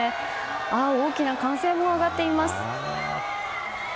大きな歓声も上がっています。